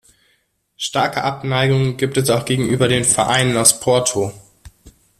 Starke Abneigungen gibt es auch gegenüber den Vereinen aus Porto.